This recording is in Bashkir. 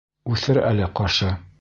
Үҫер әле ҡашы.